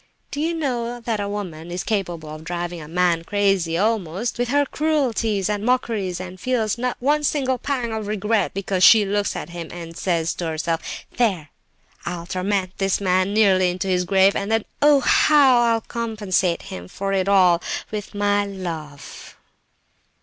Do you know that a woman is capable of driving a man crazy almost, with her cruelties and mockeries, and feels not one single pang of regret, because she looks at him and says to herself, 'There! I'll torment this man nearly into his grave, and then, oh! how I'll compensate him for it all with my love!